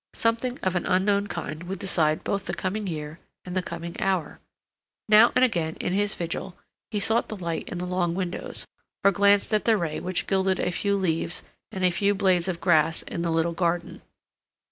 Something of an unknown kind would decide both the coming year and the coming hour. Now and again, in his vigil, he sought the light in the long windows, or glanced at the ray which gilded a few leaves and a few blades of grass in the little garden.